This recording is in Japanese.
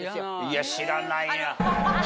いや知らないな。